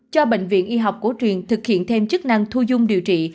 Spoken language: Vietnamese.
cho bệnh viện y học cổ truyền thực hiện thêm chức năng thu dung điều trị